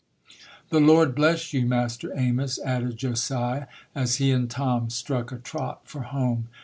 "The Lord bless you, Master Amos", added Josiah, as he and Tom struck a trot for home.